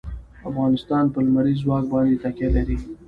افغانستان په لمریز ځواک باندې تکیه لري.